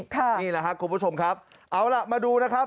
นี่แหละครับคุณผู้ชมครับเอาล่ะมาดูนะครับ